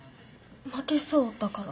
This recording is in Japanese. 負けそうだから？